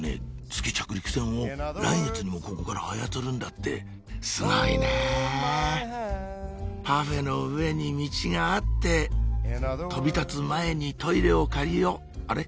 月着陸船を来月にもここから操るんだってすごいねぇパフェの上にミチがあって飛びたつ前にトイレを借りようあれ？